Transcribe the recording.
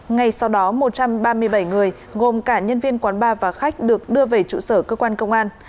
ngay sau đó một trăm ba mươi bảy người gồm cả nhân viên quán bar và khách được đưa về trụ sở cơ quan công an